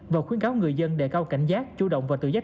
và khuyến cáo người dân để cao cảnh giác chủ động và tự giác